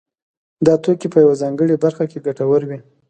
دا توکي په یوه ځانګړې برخه کې ګټور وي